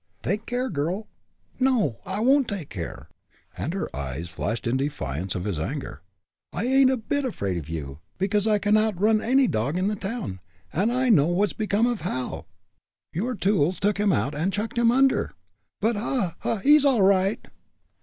"Take care, girl!" "No, I won't take care!" and her eyes flashed in defiance of his anger. "I ain't a bit afraid of you, because I can outrun any dog in the town. I know what's become of Hal. Your tools took him out and chucked him under. But, ha! ha! he's all right!"